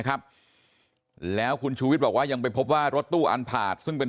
ครับแล้วคุณชูวิทย์บอกว่ายังไปพบว่ารถตู้อันพาร์ทซึ่งเป็น